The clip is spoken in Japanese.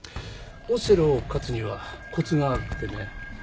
オセロを勝つにはコツがあってね。